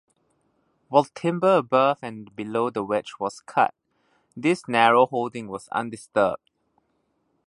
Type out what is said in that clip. While timber above and below the wedge was cut, this narrow holding was undisturbed.